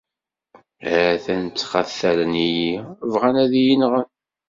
Ha-t-an ttxatalen-iyi, bɣan ad yi-nɣen.